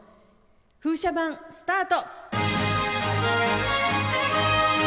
風車盤、スタート。